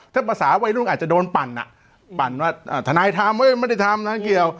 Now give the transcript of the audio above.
ถ้าภาษาวัยรุ่นอาจจะโดนปั่นอ่ะปั่นว่าทนายทำไม่ได้ทำนะเกี่ยว